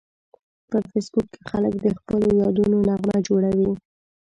په فېسبوک کې خلک د خپلو یادونو نغمه جوړوي